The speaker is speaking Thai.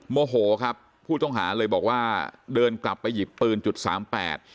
โมโหครับผู้ต้องหาเลยบอกว่าเดินกลับไปหยิบปืนจุดสามแปด